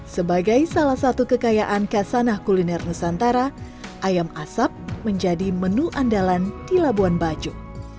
sebagai salah satu kekayaan kasanah kuliner nusantara ayam asap menjadi menu andalan di labuan bajo